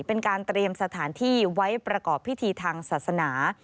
เป็นการเตรียมสถานที่ไว้ประกอบพิธีทางศาสนา